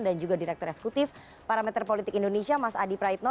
dan juga direktur eksekutif parameter politik indonesia mas adi praitno